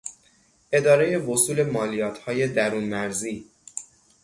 ادارهی وصول مالیاتهای درون مرزی